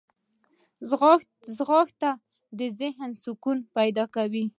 ځغاسته د ذهن سکون پیدا کوي